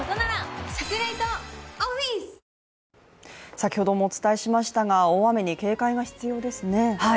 先ほどもお伝えしましたが大雨に警戒が必要ですね。